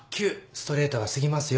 ストレートが過ぎますよ。